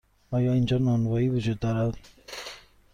آیا اینجا نانوایی وجود دارد؟